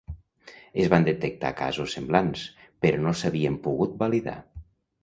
Es van detectar casos semblants, però no s’havien pogut validar.